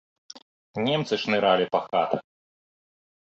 Немцы шнырылі па хатах.